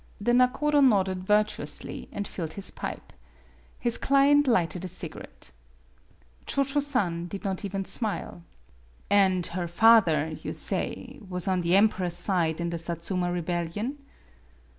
The nakodo nodded virtuously, and filled his pipe. His client lighted a cigarette. 4 o MADAME BUTTERFLY Cho Cho San did not even smile. "And her father, you say, was on the emperor's side in the Satsuma rebellion